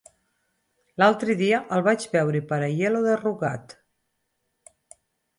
L'altre dia el vaig veure per Aielo de Rugat.